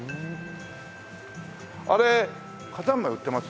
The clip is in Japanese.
あれ火山灰売ってます？